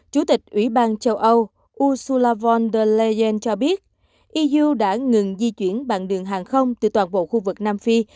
chủ tịch ủy ban châu âu ursula von der leyen cho biết iuu đã ngừng di chuyển bằng đường hàng không từ toàn bộ khu vực nam phi